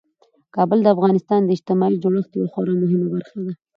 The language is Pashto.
کابل د افغانستان د اجتماعي جوړښت یوه خورا مهمه برخه ده.